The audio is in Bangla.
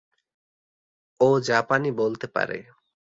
ও জাপানি বলতে পারে।